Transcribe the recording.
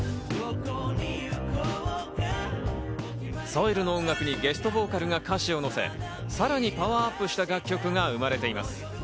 ソイルの音楽にゲストボーカルが歌詞を乗せ、さらにパワーアップした楽曲が生まれています。